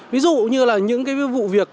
ví dụ như là những cái vụ việc